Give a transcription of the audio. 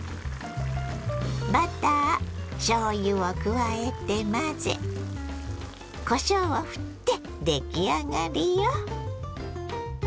バターしょうゆを加えて混ぜこしょうをふって出来上がりよ。